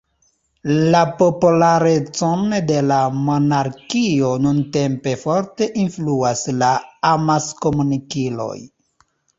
La popularecon de la monarkio nuntempe forte influas la amaskomunikiloj.